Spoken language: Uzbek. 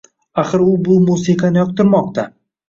Axir u bu musiqani yoqtirmoqda.